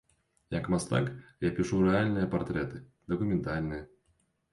Як мастак, я пішу рэальныя партрэты, дакументальныя.